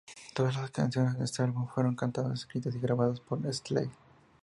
Todas las canciones en este álbum fueron cantadas, escritas y grabadas por Astley.